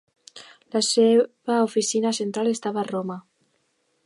La seva oficina central estava a Roma.